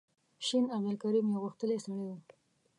شین عبدالکریم یو غښتلی سړی و.